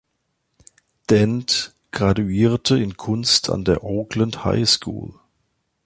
Dent graduierte in Kunst an der Oakland High School.